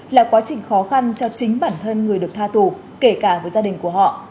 là quá trình khó khăn cho chính bản thân người được tha tù kể cả với gia đình của họ